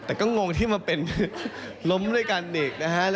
แต่ก็งงที่มาเป็นล้มด้วยกันอีกนะฮะ